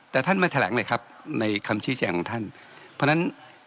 แต่ท่านไม่แถลงเลยครับในคำชี้แจงของท่านเพราะฉะนั้น